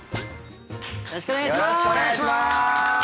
よろしくお願いします。